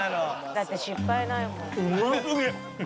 「だって失敗ないもん」